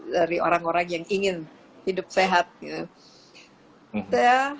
dari orang orang yang ingin hidup sehat